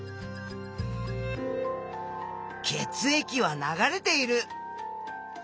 血液は流れている！